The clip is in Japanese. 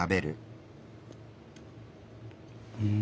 うん。